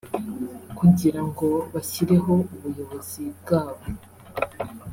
kugira ngo bashyireho ubuyobozi bwabo